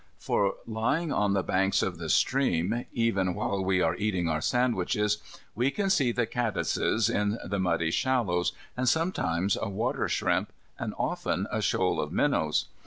For lying on the banks of the stream, even while we are eating our sandwiches, we can see the caddises in the muddy shallows, and sometimes a water shrimp, and often a shoal of minnows.